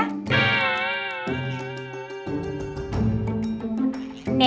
kalian masih udah pada kenal kan sama saya